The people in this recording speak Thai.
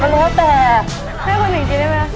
ราวไหมกินดีมาก